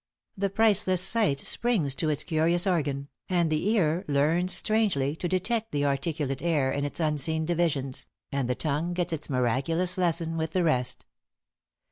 * The priceless sight Springs to its curious organ, and the ear Learns strangely to detect the articulate air In its unseen divisions, and the tongue Gets its miraculous lesson with the rest.